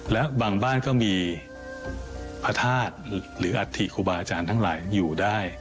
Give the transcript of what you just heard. แล้วบางบ้านก็มีพระธาตุหรืออัฐิครูบาอาจารย์ทั้งหลายอยู่ได้